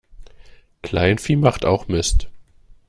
Kleinvieh macht auch Mist.